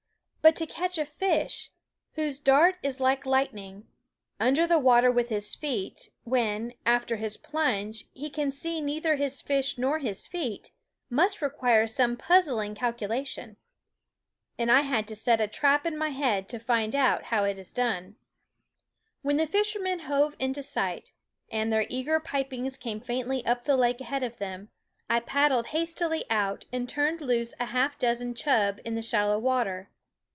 But to catch a fish whose dart is like lightning under the water with his feet, when, after his plunge, he can see neither his fish nor his feet, must require some puzzling calcula tion. And I had set a trap in my head to find out how it is done. When the fishermen hove into sight, and their eager pipings came faintly up the lake THE WOODS ahead of them, I paddled hastily out and turned loose a half dozen chub in the shallow water.